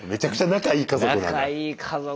仲いい家族だな。